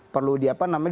perlu di apa namanya